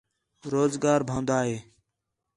روزگار بھن٘ؤندا ہِے